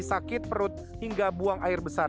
sakit perut hingga buang air besar